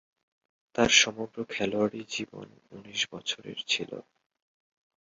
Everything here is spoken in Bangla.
তার সমগ্র খেলোয়াড়ী জীবন উনিশ বছরের ছিল।